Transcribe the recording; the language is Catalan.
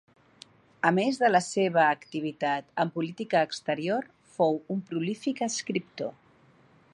A més de la seva activitat en política exterior, fou un prolífic escriptor.